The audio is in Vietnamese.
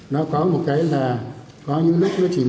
nó có một cái là có những lúc